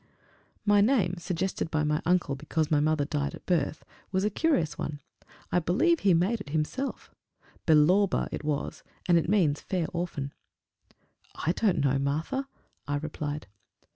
My name suggested by my uncle because my mother died at my birth was a curious one; I believe he made it himself. Belorba it was, and it means Fair Orphan. "I don't know, Martha," I replied.